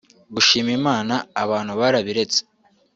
gushima Imana… abantu barabiretse